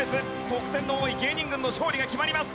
得点の多い芸人軍の勝利が決まります。